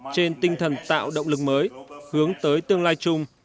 trên tinh thần tạo động lực mới hướng tới tương lai chung